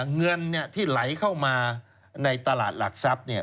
เงินที่ไหลเข้ามาในตลาดหลักทรัพย์